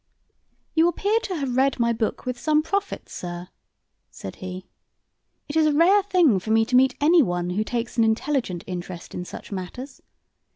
"You appear to have read my book with some profit, sir," said he. "It is a rare thing for me to meet anyone who takes an intelligent interest in such matters.